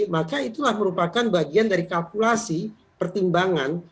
maka itulah merupakan bagian dari kalkulasi pertimbangan